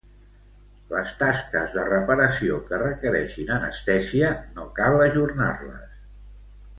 Les tasques de reparació que requereixin anestèsia, no cal ajornar-les .